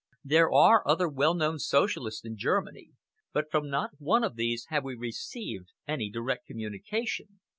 There are other well known Socialists in Germany, but from not one of these have we received any direct communication.